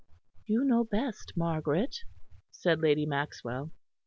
"You know best, Margaret," said Lady Maxwell.